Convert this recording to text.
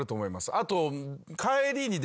あと。